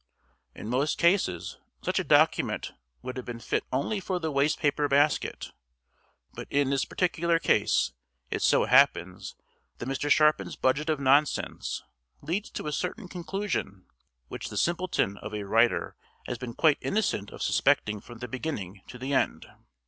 In most cases, such a document would have been fit only for the waste paper basket; but in this particular case it so happens that Mr. Sharpin's budget of nonsense leads to a certain conclusion, which the simpleton of a writer has been quite innocent of suspecting from the beginning to the end.